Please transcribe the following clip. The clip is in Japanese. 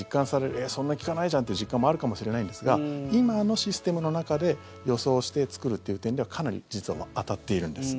えー、そんな効かないじゃんって実感もあるかもしれないんですが今のシステムの中で予想して作るという点ではかなり実は当たっているんです。